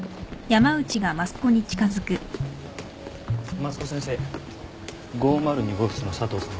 益子先生５０２号室の佐藤さん